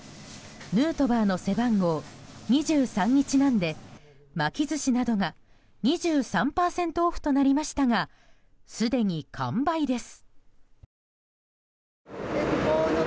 ヌートバーの背番号２３にちなんで巻き寿司などが２３％オフとなりましたがすでに完売です。